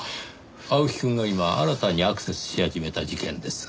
青木くんが今新たにアクセスし始めた事件です。